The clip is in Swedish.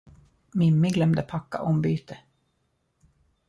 Mimmi glömde packa ombyte.